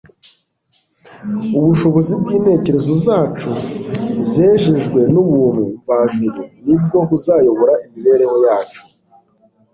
ubushobozi bw'intekerezo zacu, zejejwe n'ubuntu mvajuru, ni bwo buzayobora imibereho yacu